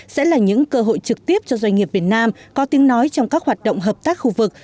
sẽ là những cơ hội trực tiếp cho doanh nghiệp việt nam có tiếng nói trong các hoạt động hợp tác khu vực